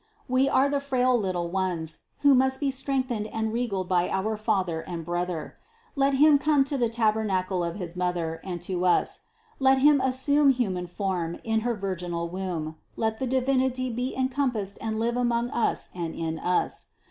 We are the frail little ones, who must be strengthened and regaled by our Father and Brother. Let Him come to the tabernacle of his Mother and to us; let Him as sume human form in her virginal womb ; let the Divinity be encompassed and live among us and in us.